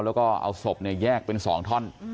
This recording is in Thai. แล้วก็เอาศพแยกเป็น๒ท่อน